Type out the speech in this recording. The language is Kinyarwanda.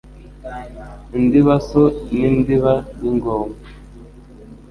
Indibaso n' Indiba y'ingoma